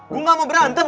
gue gak mau berantem